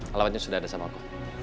alamatnya sudah ada sama aku